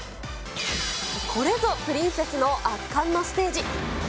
これぞプリンセスの圧巻のステージ。